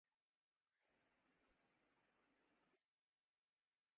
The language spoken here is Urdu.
اس سے بڑا سچ کوئی نہیں جو کہ اس پنجابی محاورے میں پنہاں ہے کہ جان ہے۔